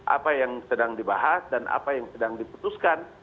apa yang sedang dibahas dan apa yang sedang diputuskan